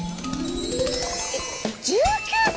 えっ１９歳？